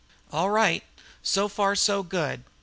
"All right. So far so good.